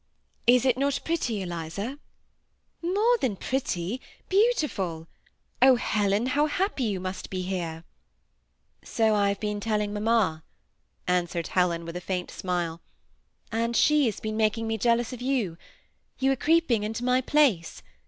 " Is it not pretty, Eliza ?"" More than pretty — beautiful ! Oh ! Helen, how happy you must be here I "" So I have been telling mamma," answered Helen, with a faint smile ;'^ and she has been making me jeal ous of you. You are creeping into my place.